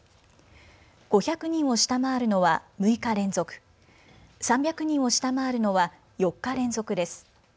５００人を下回るのは６日連続、３００人を下回るのは４日連続です。